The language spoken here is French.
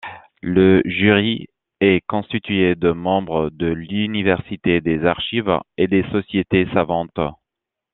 Le jury est constitué de membres de l'Université, des Archives et des Sociétés savantes.